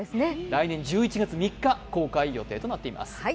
来年１１月３日、公開予定となっています。